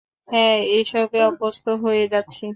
হ্যাঁ, এসবে অভ্যস্ত হয়ে যাচ্ছি।